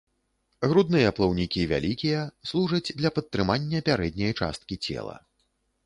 Грудныя плаўнікі вялікія, служаць для падтрымання пярэдняй часткі цела.